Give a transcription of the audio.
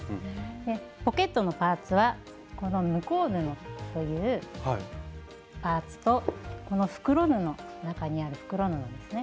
ポケットのパーツはこの向こう布というパーツとこの袋布中にある袋布ですね